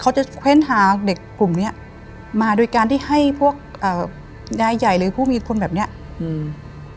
เขาจะเค้นหาเด็กกลุ่มเนี้ยมาโดยการที่ให้พวกเอ่อยายใหญ่หรือผู้มีคนแบบเนี้ยอืม